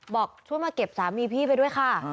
บอกช่วยมาเก็บสามีพี่ไปด้วยค่ะ